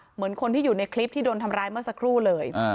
เหมือนคนที่อยู่ในคลิปที่โดนทำร้ายเมื่อสักครู่เลย